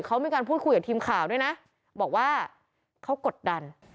เขามีการพูดคุยกับทีมข่าวด้วยนะบอกว่าเขากดดัน